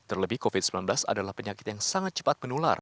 terlebih covid sembilan belas adalah penyakit yang sangat cepat menular